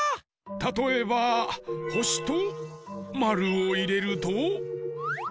たとえばほしとまるをいれると。